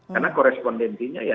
karena korespondensinya ya